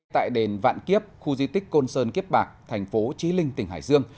tại đền vạn kiếp khu di tích côn sơn kiếp bạc thành phố trí linh tỉnh hải dương